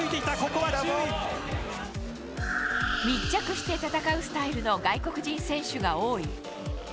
密着して戦うスタイルの外国人選手が多い。